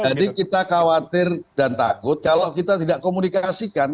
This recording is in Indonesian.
jadi kita khawatir dan takut kalau kita tidak komunikasikan